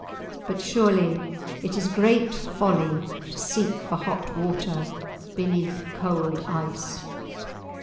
But surely it is great folly to seek for hot water beneath cold ice.